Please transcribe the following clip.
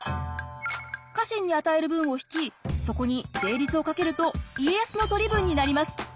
家臣に与える分を引きそこに税率を掛けると家康の取り分になります。